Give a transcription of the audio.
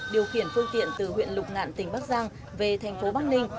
điều khiển phương tiện từ huyện lục ngạn tỉnh bắc giang về tp bắc ninh